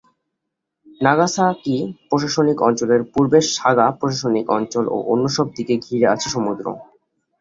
Nagasaki প্রশাসনিক অঞ্চলের পূর্বে সাগা প্রশাসনিক অঞ্চল ও অন্য সব দিকে ঘিরে আছে সমুদ্র।